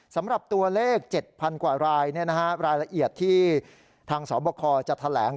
สำหรับตัวเลข๗๐๐กว่ารายรายละเอียดที่ทางสบคจะแถลง